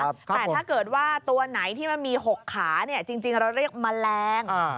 แต่ถ้าเกิดว่าตัวไหนที่มันมี๖ขาจริงเราเรียกแมลง